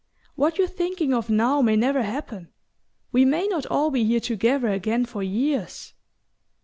What you're thinking of now may never happen. We may not all be here together again for years."